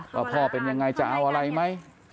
ว่าพ่อเป็นยังไงจะเอาอะไรไหม